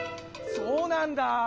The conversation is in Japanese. そうなんだ。